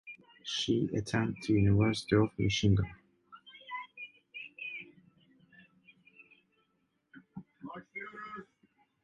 She attended the University of Michigan.